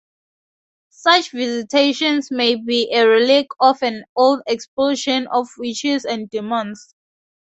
Such visitations may be a relic of an old expulsion of witches and demons.